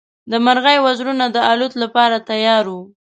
د مرغۍ وزرونه د الوت لپاره تیار وو.